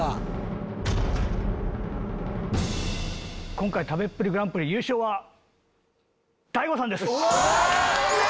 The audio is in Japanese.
今回「食べっぷりグランプリ」優勝は大悟さんです。